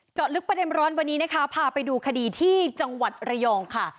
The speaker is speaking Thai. เจาะลึกประเด็นร้อนวันนี้นะคะพาไปดูคดีที่จังหวัดระยองค่ะ